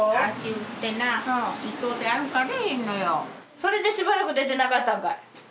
それでしばらく出てなかったんかい？